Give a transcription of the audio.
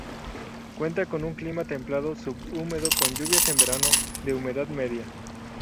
Cuenta con un clima templado subhúmedo con lluvias en verano, de humedad media.